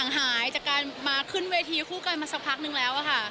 หายจากการมาขึ้นเวทีคู่กันมาสักพักนึงแล้วค่ะ